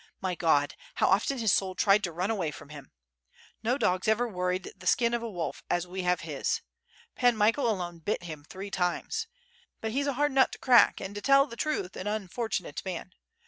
My God! how often his soul tried to run away from him! No dogs ever worried the skin of a wolf as we have his. Pan Michael alone bit him three times. But he's a hard nut to crack, and to tell the truth an un fortunate man.